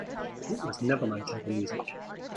Punk was never my type of music.